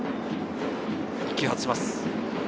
１球外します。